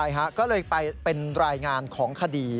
ใช่ฮะก็เลยไปเป็นรายงานของคดี